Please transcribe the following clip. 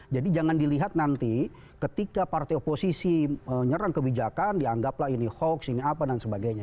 jadi jangan dilihat nanti ketika partai oposisi menyerang kebijakan dianggaplah ini hoax ini apa dan sebagainya